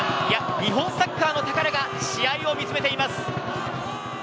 日本サッカーの宝が試合を見つめています。